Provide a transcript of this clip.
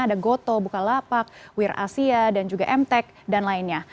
ada goto bukalapak wir asia dan juga emtek dan lainnya